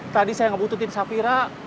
tadi saya ngebututin safira